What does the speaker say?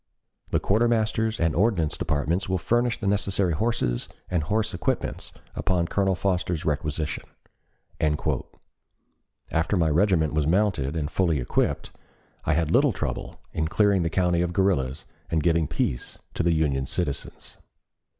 The Quartermaster's and Ordnance Departments will furnish the necessary horses and horse equipments upon Colonel Foster's requisition." After my regiment was mounted and fully equipped, I had little trouble in clearing the country of guerrillas and giving peace to the Union citizens.